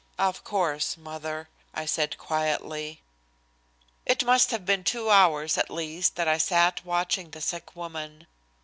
"Of course, Mother," I said quietly. It must have been two hours at least that I sat watching the sick woman.